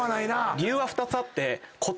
理由は２つあって。